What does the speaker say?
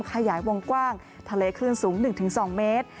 ขยายวงกว้างทะเลคลื่นสูง๑๒เมตร